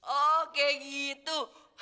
oh kayak gitu